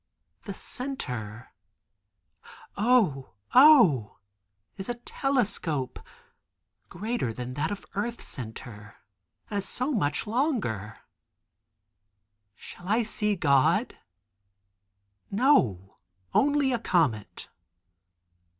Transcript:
The tube "O! O!" is a telescope: greater than that of earth center; as so much longer. Shall I see God? No, only a comet!